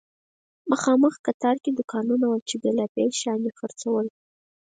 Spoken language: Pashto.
مخامخ قطار کې دوکانونه وو چې بیلابیل شیان یې خرڅول.